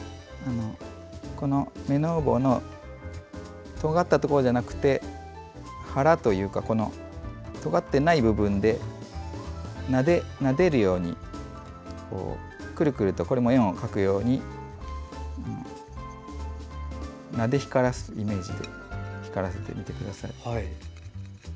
めのう棒のとがったところじゃなくて腹というかとがっていない部分でなでるようにくるくると円を描くようになで光らせるイメージで光らせてみてください。